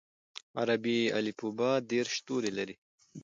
عربي الفبې دېرش توري لري.